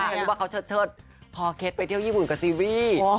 นึกว่าเขาเชิดพอเคล็ดไปเที่ยวญี่ปุ่นกับซีรีส์